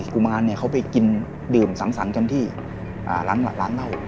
๓๔กุมารเนี่ยเขาไปกินดื่มสั่งกันที่ร้านเง้า